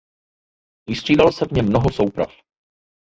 Vystřídalo se v něm mnoho souprav.